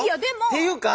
っていうか